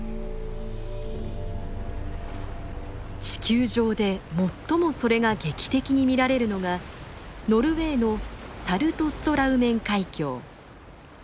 地球上で最もそれが劇的に見られるのがノルウェーのサルトストラウメン海峡。